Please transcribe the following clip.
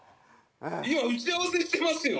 「今打ち合わせしてますよ」